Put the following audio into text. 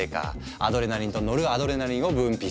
アドレナリンとノルアドレナリンを分泌。